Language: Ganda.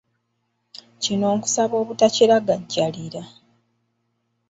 Kino nkusaba obutakiragajjalira.